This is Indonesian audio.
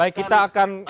baik kita akan